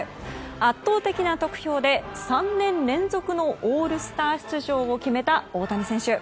圧倒的な得票で３年連続のオールスター出場を決めた大谷選手。